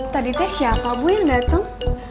tadi teh siapa bu yang datang